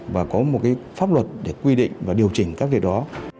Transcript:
và có một pháp luật để quy định và điều chỉnh các việc đó